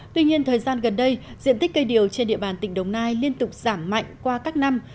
tuy nhiên thời gian gần đây diện tích cây điều trên địa bàn tỉnh đồng nai liên tục giảm mạnh qua các năm